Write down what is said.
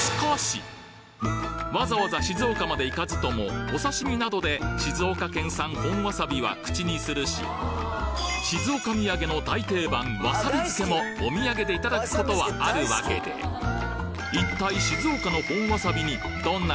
わざわざ静岡まで行かずともお刺身などで静岡県産本わさびは口にするし静岡土産の大定番わさび漬もお土産でいただくことはあるわけで一体